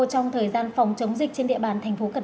trong thời gian phòng chống dịch trên địa bàn tp cn